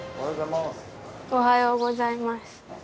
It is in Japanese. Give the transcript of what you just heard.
おはようございます。